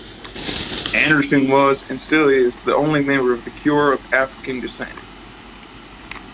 Anderson was, and still is, the only member of The Cure of African descent.